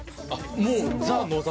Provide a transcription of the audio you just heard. もうザ・野沢。